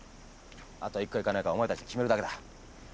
あとは行くか行かないかお前たちで決めるだけだ。